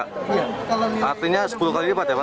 kalau memang dia ada selisih seharusnya dikasih tahu